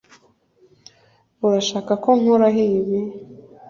urashaka ko nkuraho ibi